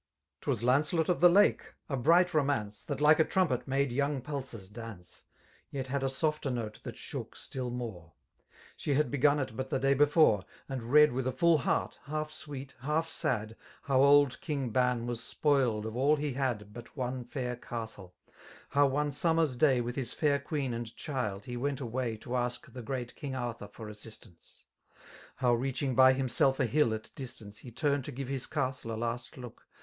Twas Lamtcelot of the Lake, a bright romance^ That like .a trumpet^ made yomig pulses daace^ Yet had a softer note that shook stiU more3 <^ She had begun it but the day before. And read with a full heart, half sweet> half sad» How old King Ban was spoiled of all he had But one fair castle : how one summer's day With his fair queen and child he went away To ask the great King Arthur for assistance > How reaching by himself a hill at distance He turned to ^ve his castle a last look.